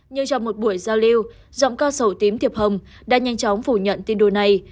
như trong một buổi giao lưu giọng ca sổ tím thiệp hồng đã nhanh chóng phủ nhận tin đồ này